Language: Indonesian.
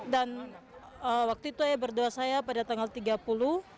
dan waktu itu ayah berdoa saya pada tanggal tiga puluh